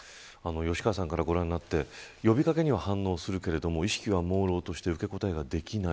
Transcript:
吉川さんからご覧になって呼び掛けには反応するけれども意識がもうろうとして受け答えができない。